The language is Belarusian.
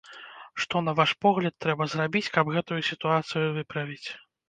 Што, на ваш погляд, трэба зрабіць, каб гэтую сітуацыю выправіць?